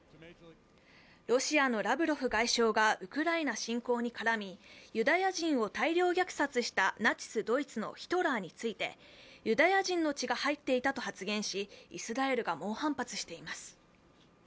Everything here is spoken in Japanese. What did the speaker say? ロシアのラブロフ外相がウクライナ侵攻に絡みユダヤ人を大量虐殺したナチス・ドイツのヒトラーについてユダヤ人の血が入っていたと発言し、イスラエルが猛反発しています。